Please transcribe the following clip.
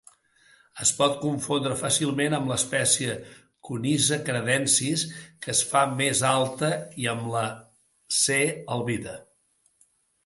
Es pot confondre fàcilment amb l'espècie "Conyza canadensis", que es fa més alta, i amb la "C. albida".